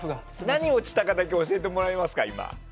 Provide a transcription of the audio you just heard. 何が落ちたかだけ教えてもらえますか？